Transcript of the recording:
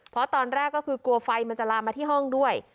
เพราะตอนแรกก็คือกลัวไฟมันจะลามมาที่ห้องด้วย